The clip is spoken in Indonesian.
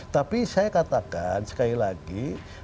tapi saya katakan sekali lagi